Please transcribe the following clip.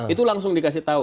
itu langsung dikasih tau